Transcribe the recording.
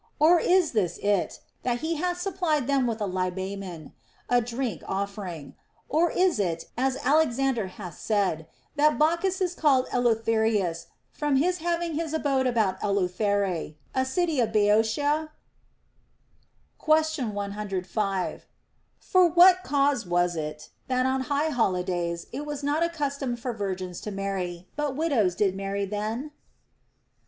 Or is this it, that he hath supplied them with a libamen, a drink offer ing'? Or is it, as Alexander hath said, that Bacchus is called Eleutherius from his having his abode about Eleutherae, a city of Boeotian Question 105. For what cause was it, that on high holi days it was not a custom for virgins to marry, but widows did marry then'?